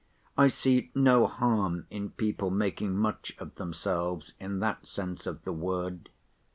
I see no harm in people making much of themselves in that sense of the word.